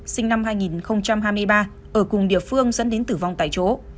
sinh năm hai nghìn hai mươi ba ở cùng địa phương dẫn đến tử vong tại chỗ